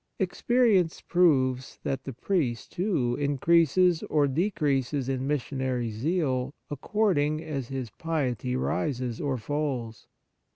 Experience proves that the priest, too, increases or decreases in mis sionary zeal according as his piety rises or falls.